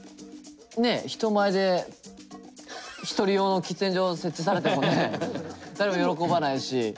ねえ人前で一人用の喫煙所を設置されてもね誰も喜ばないし。